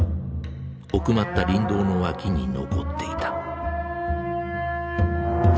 奥まった林道の脇に残っていた。